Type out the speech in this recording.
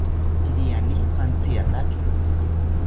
Iriani mantziataki